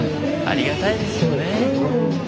ありがたいですよね。